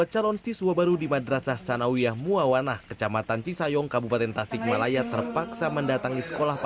kondongan ya kendalanya mungkin sinyal